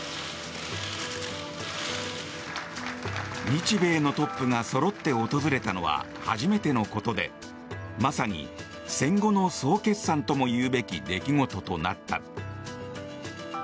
日米のトップがそろって訪れたのは初めてのことでまさに戦後の総決算ともいうべき出来事となった。